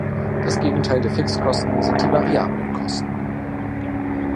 Das Gegenteil der Fixkosten sind die variablen Kosten.